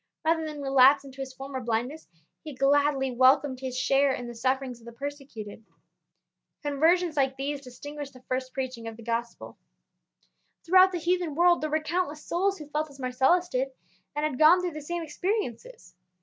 Rather than relapse into his former blindness, he gladly welcomed his share in the sufferings of the persecuted. Conversions like these distinguished the first preaching, of the Gospel. Throughout the heathen world there were countless souls who felt as Marcellus did, and had gone through the same experiences.